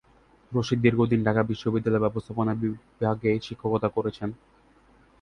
রশীদ দীর্ঘদিন ঢাকা বিশ্ববিদ্যালয়ের ব্যবস্থাপনা বিভাগে শিক্ষকতা করেছেন।